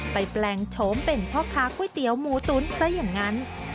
แปลงโฉมเป็นพ่อค้าก๋วยเตี๋ยวหมูตุ๋นซะอย่างนั้น